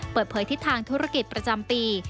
เปิดเผยทิศทางธุรกิจประจำปี